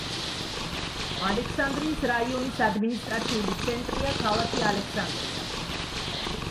ალექსანდრიის რაიონის ადმინისტრაციული ცენტრია ქალაქი ალექსანდრია.